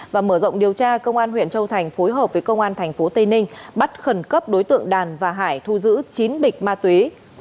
và mở rộng điều tra công an huyện châu thành phối hợp với công an tp tây ninh bắt khẩn cấp đối tượng đàn và hải thu giữ chín bịch ma túy